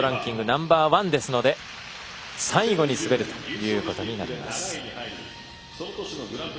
ナンバーワンですので最後に滑るということになります。